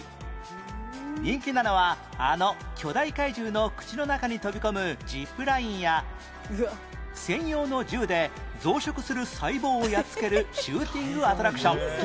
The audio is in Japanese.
人気なのはあの巨大怪獣の口の中に飛び込むジップラインや専用の銃で増殖する細胞をやっつけるシューティングアトラクション